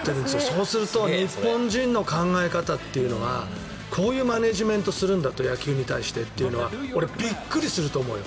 そうすると日本人の考え方というのはこういうマネジメントをするんだと野球に対してというのは俺、びっくりすると思うよ。